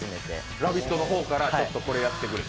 「ラヴィット！」の方からちょっとこれをやってくれと。